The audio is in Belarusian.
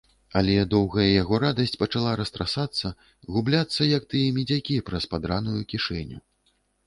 Але доўгая яго радасць пачала растрасацца, губляцца, як тыя медзякі праз падраную кішэню.